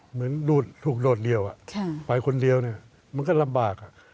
เหมือนถูกโดดเดี่ยวไปคนเดียวเนี่ยมันก็ลำบาก